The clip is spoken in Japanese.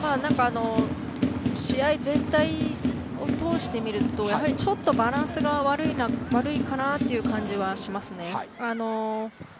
試合全体を通して見るとちょっとバランスが悪いかなという感じはしますね。